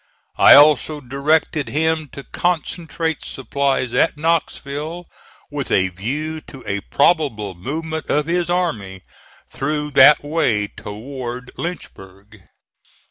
I also directed him to concentrate supplies at Knoxville, with a view to a probable movement of his army through that way toward Lynchburg.